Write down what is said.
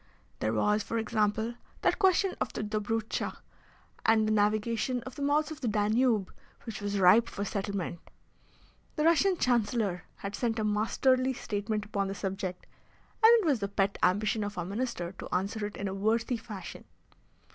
There was, for example, that question of the Dobrutscha and the navigation of the mouths of the Danube which was ripe for settlement. The Russian Chancellor had sent a masterly statement upon the subject, and it was the pet ambition of our Minister to answer it in a worthy fashion.